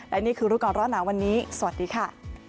และนี่คือรูปกรณ์รอดหนังวันนี้สวัสดีค่ะ